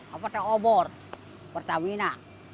apa itu obor pertamina